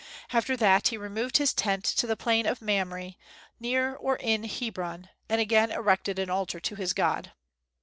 After that he removed his tent to the plain of Mamre, near or in Hebron, and again erected an altar to his God.